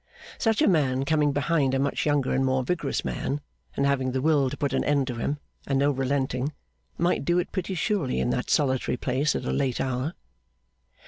Such a man, coming behind a much younger and more vigorous man, and having the will to put an end to him and no relenting, might do it pretty surely in that solitary place at a late hour.